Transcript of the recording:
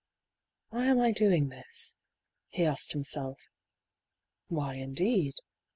" Why am I doing this ?" he asked himself. Why, indeed